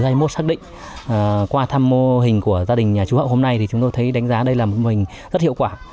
thắc định qua thăm mô hình của gia đình nhà chú hậu hôm nay thì chúng tôi thấy đánh giá đây là một mô hình rất hiệu quả